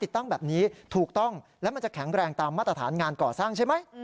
ตั้งแบบนี้ถูกต้องและมันจะแข็งแรงตามมาตรฐานงานก่อสร้างใช่ไหม